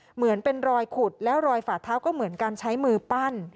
เหมือนเป็นรอยขุดแล้วรอยฝาเท้าก็เหมือนการใช้มือปั้น